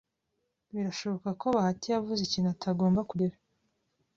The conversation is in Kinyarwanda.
Birashoboka ko Bahati yavuze ikintu atagomba kugira.